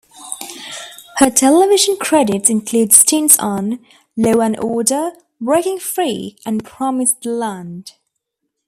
Her television credits include stints on "Law and Order", "Breaking Free", and "Promised Land".